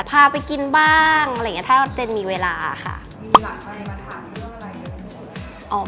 พาไปกินบ้างอะไรอย่างนี้ถ้าเจนมีเวลาค่ะ